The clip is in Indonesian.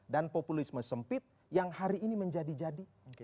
dan populisme sempit yang hari ini menjadi jadi